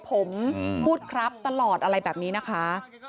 ผมพูดครับตลอดอะไรแบบนี้นะคะ